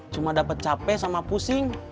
cuma dapet cape sama pusing